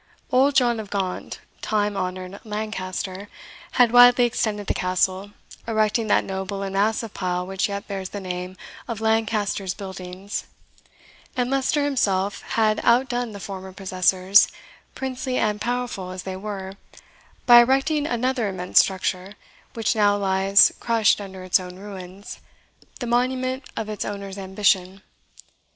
Old John of Gaunt, "time honoured Lancaster," had widely extended the Castle, erecting that noble and massive pile which yet bears the name of Lancaster's Buildings; and Leicester himself had outdone the former possessors, princely and powerful as they were, by erecting another immense structure, which now lies crushed under its own ruins, the monument of its owner's ambition.